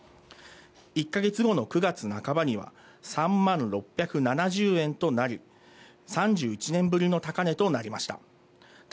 １か月後の９月半ばには、３万６７０円となり、３１年ぶりの高値となりました。